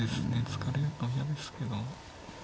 突かれるから嫌ですけど。